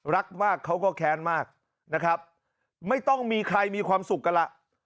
รักมากเขาก็แค้นมากนะครับไม่ต้องมีใครมีความสุขกันล่ะ